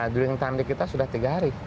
dreaming time kita sudah tiga hari